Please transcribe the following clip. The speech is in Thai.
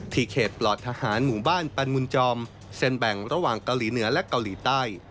เขตปลอดทหารหมู่บ้านปันมุนจอมเซ็นแบ่งระหว่างเกาหลีเหนือและเกาหลีใต้